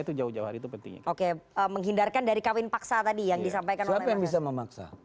itu jauh jauh hari itu penting menghindarkan dari kawin paksa tadi yang disampaikan oleh mengaksa